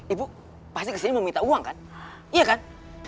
ibu pasti kesini mau minta uang kan iya kan